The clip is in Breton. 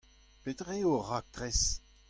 Petra eo ho raktres ?